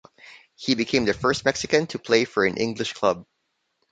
He became the first Mexican to play for an English club.